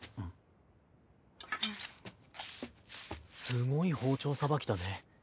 すごい包丁さばきだね。